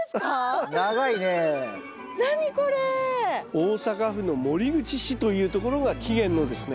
大阪府の守口市というところが起源のですね